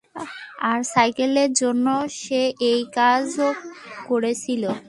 আর সাকলেইনের জন্য সে কাজও করেছিল।